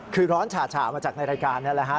คือร้อนฉ่ามาจากในรายการนั่นแหละฮะ